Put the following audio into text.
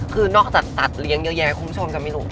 คือนอกจากตัดเลี้ยงเยอะแยะคงชอบจำไม่รู้